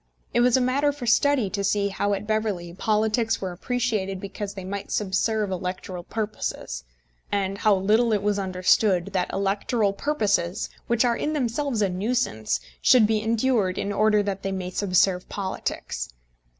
It was a matter for study to see how at Beverley politics were appreciated because they might subserve electoral purposes, and how little it was understood that electoral purposes, which are in themselves a nuisance, should be endured in order that they may subserve politics.